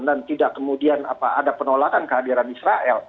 dan tidak kemudian ada penolakan kehadiran israel